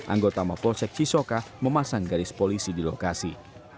anggota mapolsek cisoka memasang garis polisi di lokasi